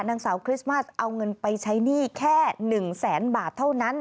นางสาวคริสต์มาสเอาเงินไปใช้หนี้แค่๑แสนบาทเท่านั้น